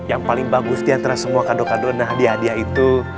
yang paling bagus diantara semua kado kado nah hadiah hadiah itu